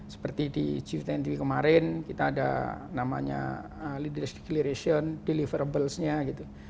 seperti di g dua puluh kemarin kita ada namanya leaders declaration deliverables nya gitu